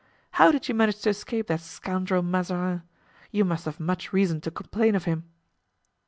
How did you manage to escape that scoundrel Mazarin? You must have much reason to complain of him."